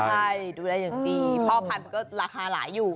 ใช่ดูแลอย่างดีพ่อพันธุ์ก็ราคาหลายอยู่